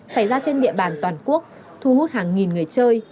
xảy ra trên địa bàn toàn quốc thu hút hàng nghìn người chơi